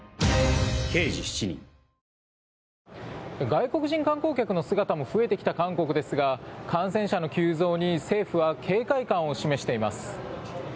外国人観光客の姿も増えてきた韓国ですが感染者の急増に政府は警戒感を示しています。